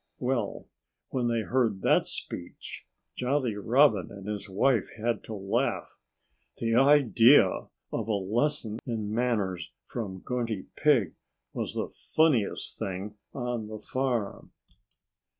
Well, when they heard that speech Jolly Robin and his wife had to laugh. The idea of a lesson in manners from Grunty Pig was the funniest thing on the farm.